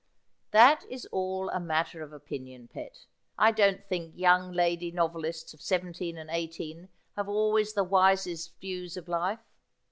' That is all a matter of opinion, pet. I don't think young lady novelists of seventeen and eighteen have always the wisest views of life.